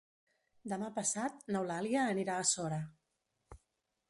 Demà passat n'Eulàlia anirà a Sora.